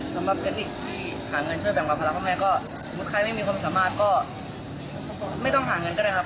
สำหรับกระติกที่หาเงินช่วยแบ่งเบาภาระพ่อแม่ก็ใครไม่มีความสามารถก็ไม่ต้องหาเงินก็ได้ครับ